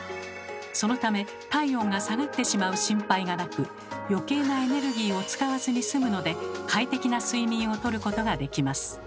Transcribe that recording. そのため体温が下がってしまう心配がなく余計なエネルギーを使わずにすむので快適な睡眠をとることができます。